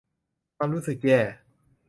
ความรู้สึกแย่